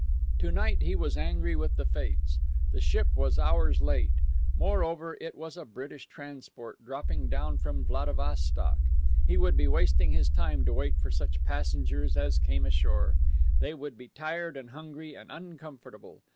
To night he was angry with the fates. The ship was hours late. Moreover, it was a British transport, dropping down from Vladivostok. He would be wasting his time to wait for such passengers as came ashore. They would be tired and hungry and uncomfortable.